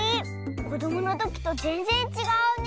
こどものときとぜんぜんちがうね。